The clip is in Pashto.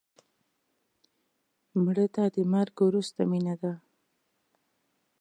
مړه ته د مرګ وروسته مینه ده